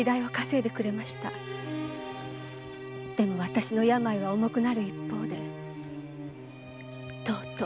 でも私の病は重くなる一方でとうとう。